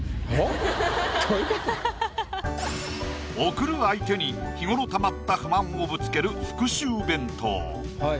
送る相手に日頃たまった不満をぶつける復讐弁当。